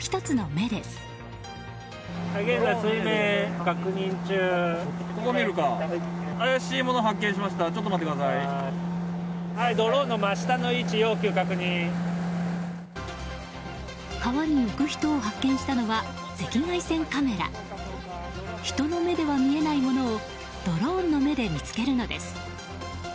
人の目では見えないものをドローンの目で見つけるのです。